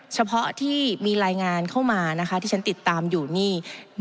เฉพาะที่มีรายงานเข้ามานะคะที่ฉันติดตามอยู่นี่